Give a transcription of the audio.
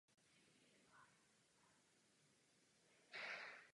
Letní párty se nyní nazývá "Assembly Summer".